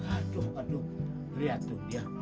aduh aduh lihat tuh dia